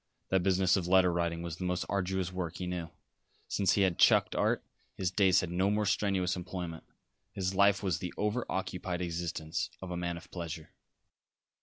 That business of letter writing was the most arduous work he knew. Since he had "chucked" art, his days had no more strenuous employment; his life was the over occupied existence of a man of pleasure.